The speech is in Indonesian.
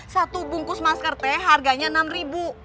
satu bungkus masker teh harganya enam ribu